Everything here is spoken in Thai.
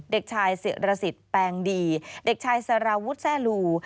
เด็กชายศิรสิทธิ์แปลงดีเด็กชายสารวุฒิแซ่ลู